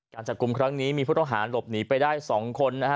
การจับกลุ่มครั้งนี้มีผู้ต้องหาหลบหนีไปได้๒คนนะฮะ